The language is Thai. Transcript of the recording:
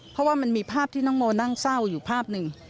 เพราะว่ามันมีภาพที่น้องโมนั่งเศร้าอยู่ภาพหนึ่ง